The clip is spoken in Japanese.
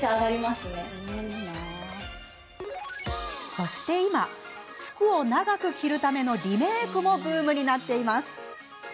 そして今服を長く着るためのリメークもブームになっています。